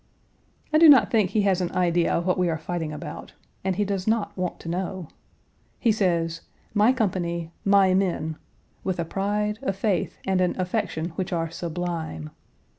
I do not think he has an idea what we are fighting about, and he does not want to know. He says, "My company," "My men," with a pride, a faith, and an affection which are sublime.